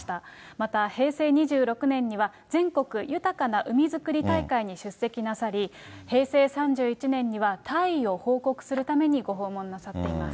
また平成２６年には、全国豊かな海づくり大会に出席なさり、平成３１年には、退位を報告するためにご訪問なさっています。